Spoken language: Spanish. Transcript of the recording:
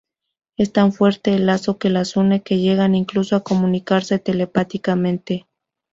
Es tan fuerte el lazo que las une, que llegan incluso a comunicarse telepáticamente.